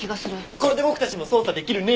これで僕たちも捜査できるね。